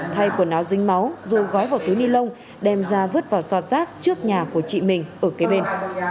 thay quần áo rinh máu ru gói vào túi ni lông đem ra vứt vào sọt rác trước nhà của chị mình ở kế bên